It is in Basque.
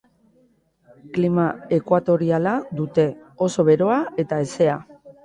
Klima ekuatoriala dute, oso beroa eta hezea.